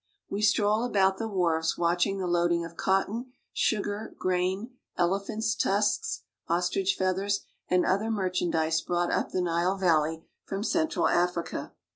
We stroll about the wharves watching the loading of cot ton, sugar, grain, elephants' tusks, ostrich feathers, and other merchandise brought up the Nile valley from cen tral Africa.